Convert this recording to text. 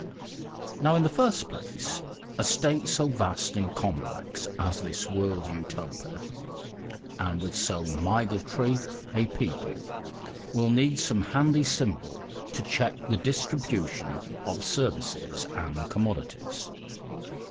Now in the first place, a state so vast and complex as this world Utopia, and with so migratory a people, will need some handy symbol to check the distribution of services and commodities.